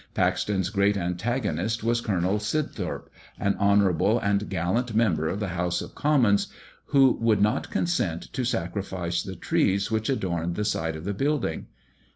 Paxton's great antagonist was Colonel Sibthorp, an honourable and gallant member of the House of Commons, who would not consent to sacrifice the trees which adorned the site of the building.